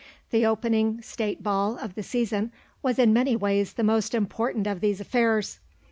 The opening State Ball of the season was in many ways the most important of these affairs.